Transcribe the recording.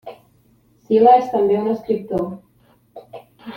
Sila és també un escriptor.